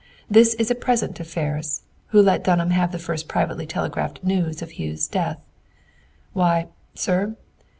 This is a present to Ferris, who let Dunham have the first privately telegraphed news of Hugh's death. "Why, sir.